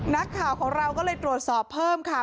นักข่าวของเราก็เลยตรวจสอบเพิ่มค่ะ